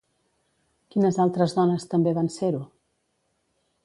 Quines altres dones també van ser-ho?